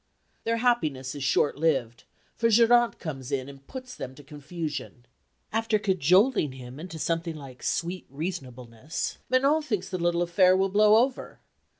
Their happiness is short lived, for Geronte comes in and puts them to confusion. After cajoling him into something like sweet reasonableness, Manon thinks the little affair will blow over.